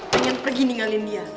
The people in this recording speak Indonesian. pengen pergi ninggalin dia